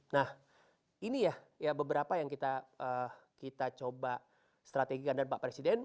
nah ini ya beberapa yang kita coba strategikan